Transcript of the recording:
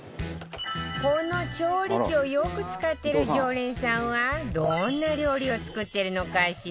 この調理器をよく使ってる常連さんはどんな料理を作ってるのかしら？